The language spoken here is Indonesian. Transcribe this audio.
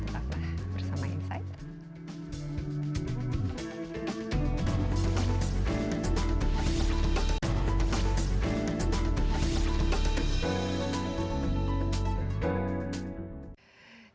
tetaplah bersama insight